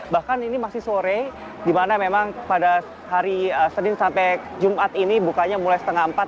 bahkan ini masih sore di mana memang pada hari senin sampai jumat ini bukanya mulai setengah empat